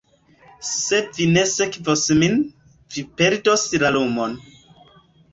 Se vi ne sekvos min, vi perdos la lumon.